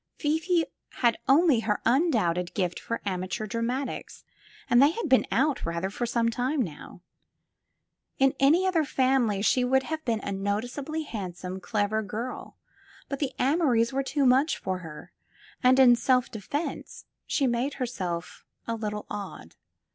Fifi had only her undoubted gift for amateur dramatics, and they have been "out,'' rather, for some time now. In any other family she would have been a noticeably 176 THE FILM OF FATE handsome, clever girl, but the Amorys were too much for her, and in self defense she made herself a little odd.